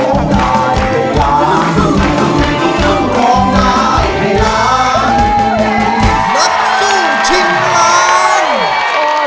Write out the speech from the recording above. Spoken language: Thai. นับสู้ชิงพลาน